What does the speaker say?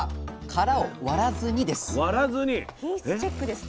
殻を割らずにです！